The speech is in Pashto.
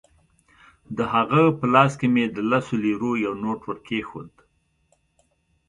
د هغه په لاس کې مې د لسو لیرو یو نوټ ورکېښود.